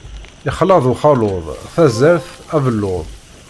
Ixleḍ uxaluḍ, tazart, abelluḍ.